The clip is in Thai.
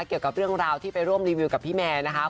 เกี่ยวกับเรื่องราวที่ไปร่วมรีวิวกับพี่แมนนะคะ